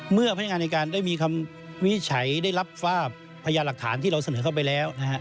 เมื่อพยานอายการได้มีคำวิชัยได้รับฟาพพยานหลักฐานที่เราเสนอเข้าไปแล้ว